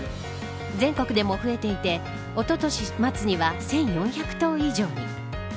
全国でも増えていておととし末には１４００棟以上に。